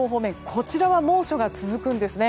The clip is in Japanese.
こちらは猛暑が続くんです。